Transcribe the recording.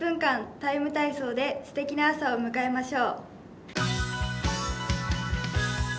ＴＩＭＥ，体操」ですてきな朝を迎えましょう。